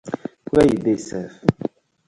Where yu dey sef?